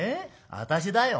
私だよ？